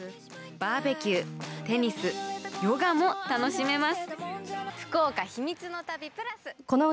バーベキュー、テニスヨガも楽しめます。